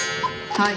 はい。